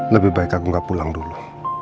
lebih baik aku gak pulang dulu